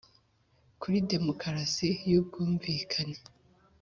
Kuri demokarasi y'ubwumvikane